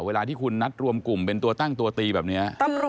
เวลาที่คุณนัดรวมกลุ่มเป็นตัวตั้งตัวตีแบบนี้